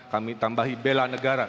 kami tambahi bela negara